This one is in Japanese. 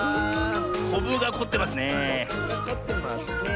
こぶがこってますねえ。